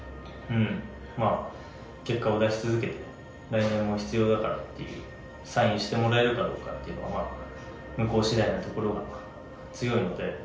まあ結果を出し続けて来年も必要だからっていうサインしてもらえるかどうかっていうのは向こう次第なところが強いので。